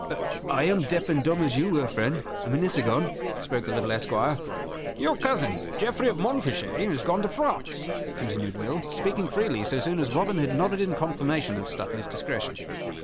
"I am deaf and dumb as you were, friend, a minute agone," spoke the little esquire. "Your cousin, Geoffrey of Montfichet, has gone to France," continued Will, speaking freely so soon as Robin had nodded in confirmation of Stuteley's discretion.